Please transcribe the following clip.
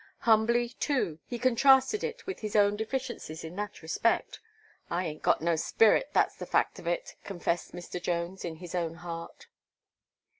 Humbly, too, he contrasted it with his own deficiencies in that respect "I ain't got no spirit; that's the fact of it," confessed Mr. Jones in his own heart.